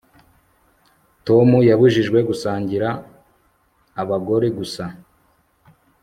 Tom yabujijwe gusangira abagore gusa